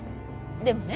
でもね